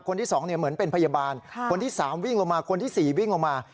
คนที่๒เหมือนเป็นพยาบาลคนที่๓วิ่งลงมาคนที่๔วิ่งออกมา